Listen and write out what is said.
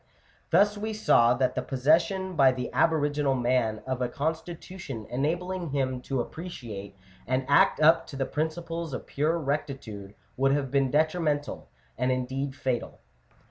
Thus we saw that the possession by the aboriginal man of a constitution enabling him to appreciate and act up to the principles of pure rectitude would have been detrimental, and indeed fatal (p.